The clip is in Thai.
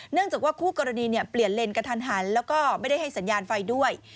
จากว่าคู่กรณีเปลี่ยนเลนกระทันหันแล้วก็ไม่ได้ให้สัญญาณไฟด้วย